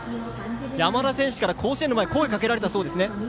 山田選手から甲子園の前に声をかけられたそうですね。